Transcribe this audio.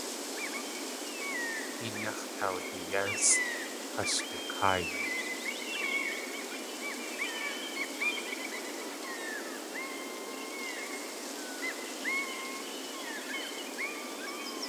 Héen yáx̲ kawdiyésʼ has du káayi.